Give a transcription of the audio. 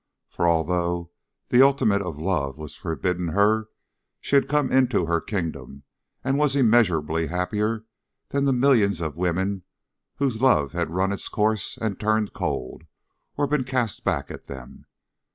For although the ultimate of love was forbidden her, she had come into her kingdom, and was immeasurably happier than the millions of women whose love had run its course and turned cold, or been cast back at them.